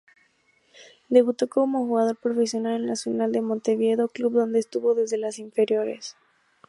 Debutó como jugador profesional en Nacional de Montevideo, club donde estuvo desde las inferiores.